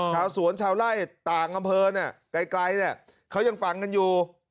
ชาวสวนชาวไล่ต่างอำเภอเนี่ยไกลเขายังฟังกันอยู่